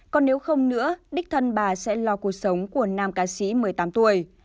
còn nếu không nữa đích thân bà sẽ lo cuộc sống của nam ca sĩ một mươi tám tuổi